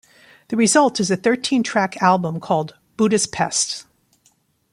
The result is a thirteen-track album called "Buddha's Pest".